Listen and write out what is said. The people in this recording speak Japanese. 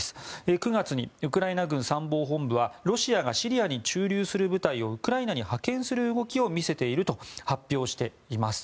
９月にウクライナ軍参謀本部はロシアがシリアに駐留する部隊をウクライナに派遣する動きを見せていると発表しています。